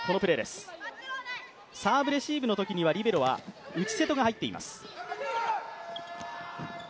サーブレシーブのときにはリベロは内瀬戸が入っています。